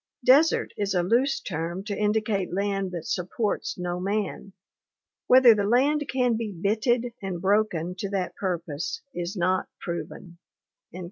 Desert is a loose term to indicate land that supports no man; whether the land can be bitted and broken to that purpose is not proven."